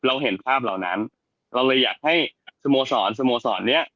เราเห็นภาพเหล่านั้นเราเลยอยากให้สโมสรสโมสรเนี้ย